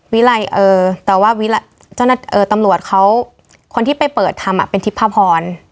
วิลัยเออแต่ว่าเออตำลวจเขาคนที่ไปเปิดทำอ่ะเป็นทิพพพร